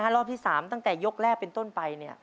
รอบที่๓ตั้งแต่ยกแรกเป็นต้นไป